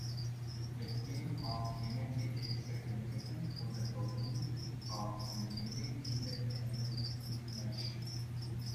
The theme of unity is significant for the building of the newly independent nation.